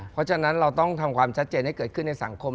เพราะฉะนั้นเราต้องทำความชัดเจนให้เกิดขึ้นในสังคม